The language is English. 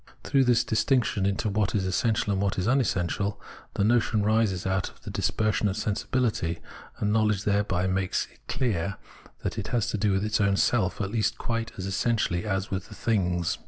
Through this distinction into what is essential and what is unessential, the notion rises out of the dispersion of sensibility, and knowledge thereby makes it clear that it has to do with its own self at least quite as essentially as with things.